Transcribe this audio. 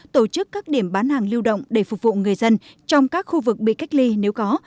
tổ chức các điểm bán hàng lưu động để phục vụ người dân trong các khu vực bị cách ly nếu có